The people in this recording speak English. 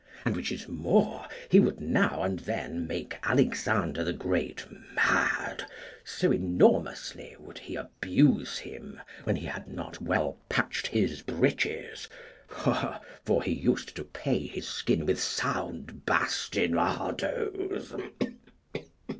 And, which is more, he would now and then make Alexander the Great mad, so enormously would he abuse him when he had not well patched his breeches; for he used to pay his skin with sound bastinadoes.